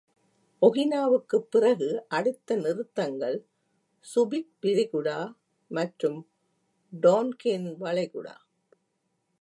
ஒகினாவாவுக்குப் பிறகு அடுத்த நிறுத்தங்கள், சுபிக் விரிகுடா மற்றும் டோன்கின் வளைகுடா.